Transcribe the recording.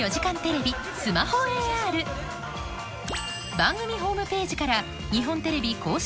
番組ホームページから日本テレビ公式